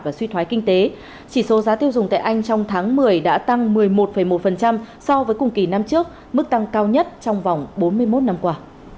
và suy thoái kinh tế chỉ số giá tiêu dùng tại anh trong tháng một mươi đã tăng một mươi một một so với cùng kỳ năm trước mức tăng cao nhất trong vòng bốn mươi một năm qua